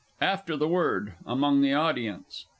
AFTER THE WORD. AMONG THE AUDIENCE.